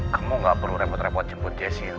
kamu gak perlu repot repot jemput jessi